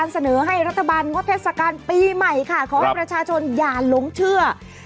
เสนอให้รัฐบาลงดเทศกาลปีใหม่ค่ะขอให้ประชาชนอย่าหลงเชื่อ